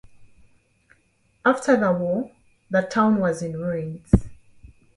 After the war, the town was in ruins.